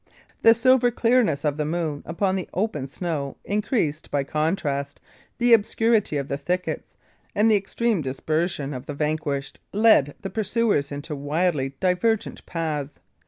The silver clearness of the moon upon the open snow increased, by contrast, the obscurity of the thickets; and the extreme dispersion of the vanquished led the pursuers into wildly divergent paths.